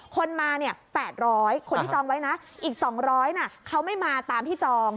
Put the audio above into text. คนมาเนี่ย๘๐๐คนที่จองไว้นะอีก๒๐๐เขาไม่มาตามที่จอง